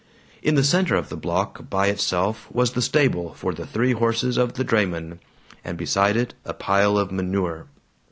In the center of the block, by itself, was the stable for the three horses of the drayman, and beside it a pile of manure.